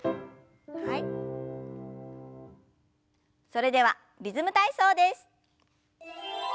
それでは「リズム体操」です。